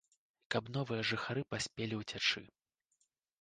Каб новыя жыхары паспелі ўцячы.